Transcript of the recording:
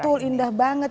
betul indah banget